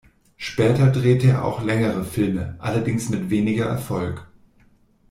Später drehte er auch längere Filme, allerdings mit weniger Erfolg.